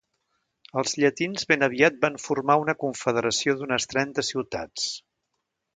Els llatins ben aviat van formar una confederació d'unes trenta ciutats.